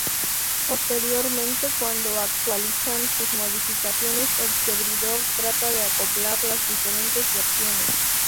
Posteriormente, cuando actualizan sus modificaciones, el servidor trata de acoplar las diferentes versiones.